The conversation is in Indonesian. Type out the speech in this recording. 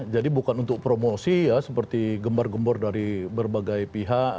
bukan untuk promosi ya seperti gembar gembor dari berbagai pihak